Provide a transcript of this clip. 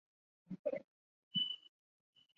验货完再付钱